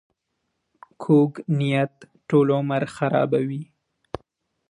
کوږ نیت ټول عمر خرابوي